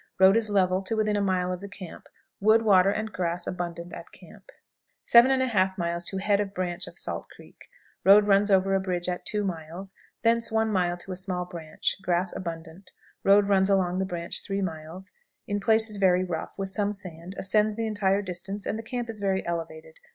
Road is level to within a mile of the camp. Wood, water, and grass abundant at camp. 7 1/2. Head of Branch of Salt Creek. Road runs over a ridge at 2 miles, thence one mile to a small branch. Grass abundant. Road runs along the branch 3 miles; in places very rough, with some sand; ascends the entire distance, and the camp is very elevated.